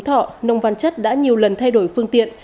ở phòng phú thọ nông văn chất đã nhiều lần thay đổi phương tiện